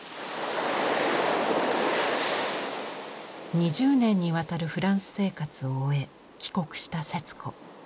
２０年にわたるフランス生活を終え帰国した節子。